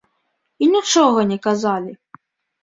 І нічога не казалі.